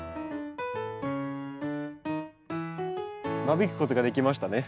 間引くことができましたね。